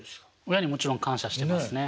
親にもちろん感謝してますね。